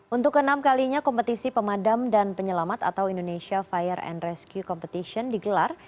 untuk keenam kalinya kompetisi pemadam dan penyelamat atau indonesia fire and rescue competition digelar